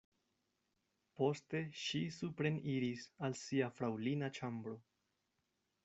Poste ŝi supreniris al sia fraŭlina ĉambro.